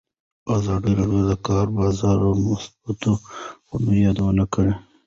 ازادي راډیو د د کار بازار د مثبتو اړخونو یادونه کړې.